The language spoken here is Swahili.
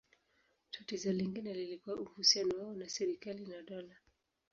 Tatizo lingine lilikuwa uhusiano wao na serikali na dola.